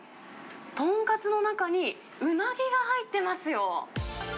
豚カツの中に、うなぎが入ってますよ。